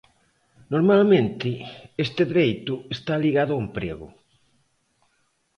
Normalmente, este dereito está ligado ao emprego.